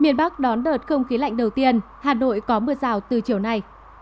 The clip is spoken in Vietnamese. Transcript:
miền bắc đón đợt không khí lạnh đầu tiên hà nội có mưa rào từ chiều nay